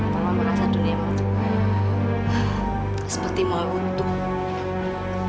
mama merasa dunia seperti mau utuh